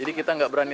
jadi kita nggak berani